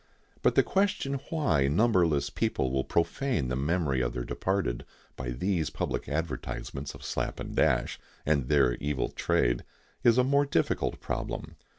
But the question why numberless people will profane the memory of their departed by these public advertisements of Slap & Dash, and their evil trade, is a more difficult problem.